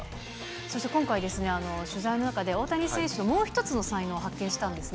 そして今回、取材の中で、大谷選手のもう一つの才能、発見したんですね。